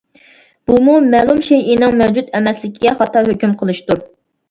بۇمۇ مەلۇم شەيئىنىڭ مەۋجۇت ئەمەسلىكىگە خاتا ھۆكۈم قىلىشتۇر.